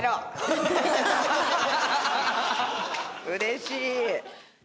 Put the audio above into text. うれしい。